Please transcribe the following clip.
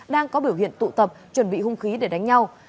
đang có biểu hiện tụ tập chuẩn bị hung khí để đánh nhau